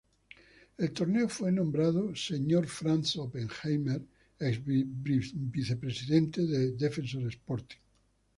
El torneo, fue nombrado "Sr. Franz Oppenheimer", exvicepresidente de Defensor Sporting.